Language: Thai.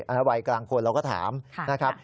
วัยกลางคนเราก็ถามนะครับ